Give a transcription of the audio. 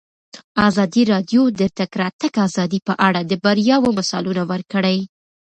ازادي راډیو د د تګ راتګ ازادي په اړه د بریاوو مثالونه ورکړي.